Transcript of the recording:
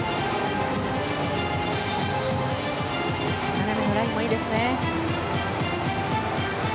斜めのラインもいいですね。